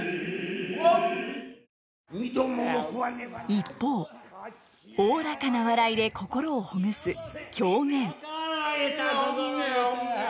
一方おおらかな笑いで心をほぐす「狂言」。